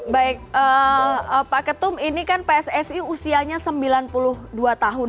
baik pak ketum ini kan pssi usianya sembilan puluh dua tahun